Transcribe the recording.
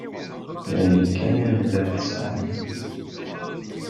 D ayen kan ay llant sɛant.